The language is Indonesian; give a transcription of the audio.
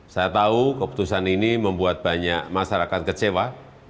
saya tahu keputusan ini membuat banyak masyarakat kecewa